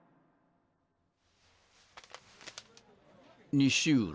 西浦。